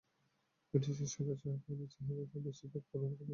এটি শেষ হলে পানি চাহিদার বেশির ভাগই পূরণ করা সম্ভব হবে।